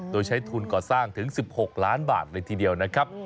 โดยใช้ทุนก่อสร้างถึง๑๖ล้านบาทเลยทีเดียวนะครับ